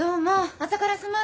朝からすまんね。